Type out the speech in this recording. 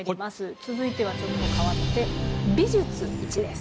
続いてはちょっと変わって「美術Ⅰ」です。